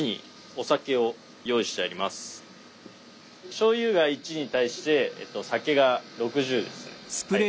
しょうゆが１に対して酒が６０ですね。